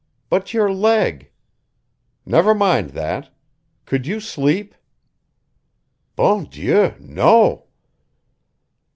But your leg " "Never mind that. Could you sleep?" "Bon Dieu no!"